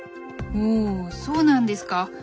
おそうなんですか。